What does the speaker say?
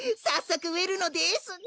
さっそくうえるのです。